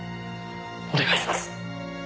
お願いします！